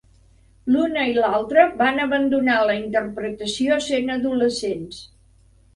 L'una i l'altra van abandonar la interpretació sent adolescents.